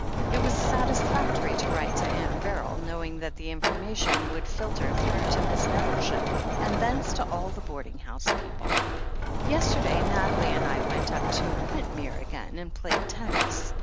It was satisfactory to write to Aimt Beryl, knowing that the information would filter through to Miss Nettleship, and thence to all the boarding house people : "Yesterday Nathalie and I went up to Quintmere again and played tennis.